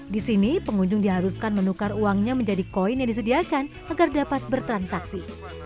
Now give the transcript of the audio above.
di sini pengunjung diharuskan menukar uangnya menjadi koin yang disediakan agar dapat bertransaksi